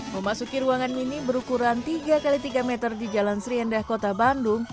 memasuki ruangan mini berukuran tiga x tiga meter di jalan seriendah kota bandung